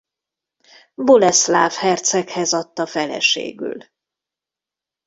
Boleszláv herceghez adta feleségül.